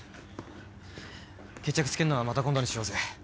決着つけんのはまた今度にしようぜ。